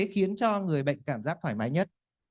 khiến cho người bệnh cảm giác thoải mái nhất